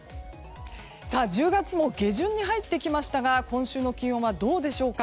１０月も下旬に入ってきましたが今週の気温はどうでしょうか。